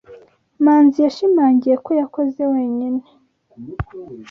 Manzi yashimangiye ko yakoze wenyine.